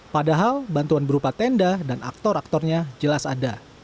padahal bantuan berupa tenda dan aktor aktornya jelas ada